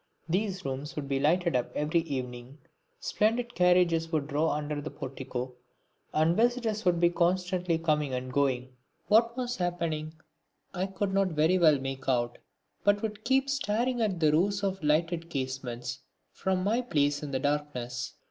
These rooms would be lighted up every evening. Splendid carriages would draw up under the portico, and visitors would be constantly coming and going. What was happening I could not very well make out, but would keep staring at the rows of lighted casements from my place in the darkness.